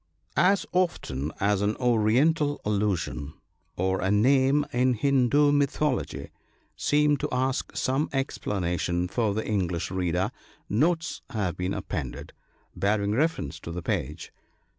As often as an Oriental allusion, or a name in Hindoo mythology, seemed to ask some explanation for the English reader, notes have been appended, bearing refe rence to the page.